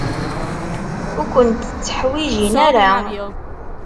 Ur kent-tteḥwijin ara.